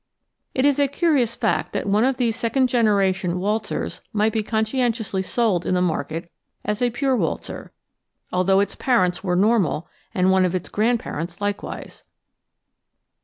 It is a curious fact that one of these second generation waltzers might be conscientiously sold in the market as a pure waltzer, although its parents were normal and one of its grandparents likewise.